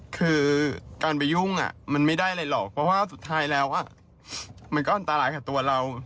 คือการไปยุ่งมันไม่ได้อะไรหรอกเพราะว่าสุดท้ายแล้วมันก็อันตรายกับตัวเรา